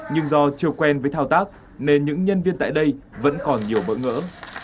nhưng do chưa quen với thao tác nên những nhân viên tại đây vẫn còn nhiều bỡ ngỡ